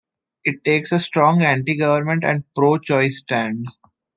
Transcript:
It takes a strong anti-government and pro-choice stand.